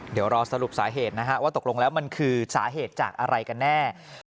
เดี๋ยวรอสรุปสาเหตุนะฮะว่าตกลงแล้วมันคือสาเหตุจากอะไรกันแน่